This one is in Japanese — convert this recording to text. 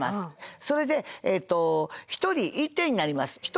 それで１人１点になりますと。